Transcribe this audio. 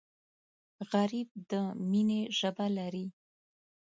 غریب د مینې ژبه لري